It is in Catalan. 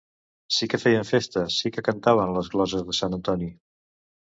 Sí que feien festes sí que cantaven les gloses de Sant Antoni